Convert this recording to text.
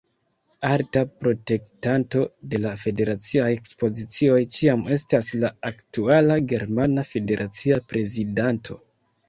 Alta protektanto de la federaciaj ekspozicioj ĉiam estas la aktuala germana federacia prezidanto.